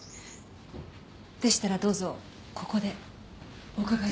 でしたらどうぞここでお伺いします。